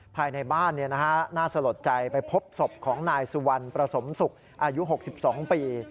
ภายในบ้านน่าสลดใจไปพบศพของนายสุวรรณประสมศุกร์อายุ๖๒ปี